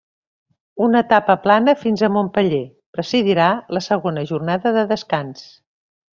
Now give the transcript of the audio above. Una etapa plana fins a Montpeller, precedirà la segona jornada de descans.